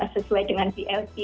sesuai dengan vlc